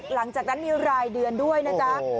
หลังจากนั้นมีรายเดือนด้วยนะจ๊ะ